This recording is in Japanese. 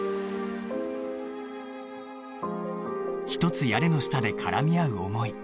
一つ屋根の下で絡み合う思い